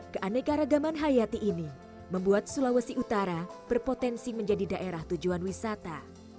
keanekaragaman hayati ini membuat sulawesi utara berpotensi menjadi daerah tujuan wisata